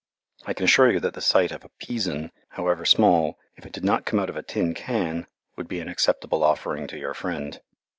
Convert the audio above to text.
I can assure you that the sight of a "peason," however small, if it did not come out of a tin can, would be an acceptable offering to your friend.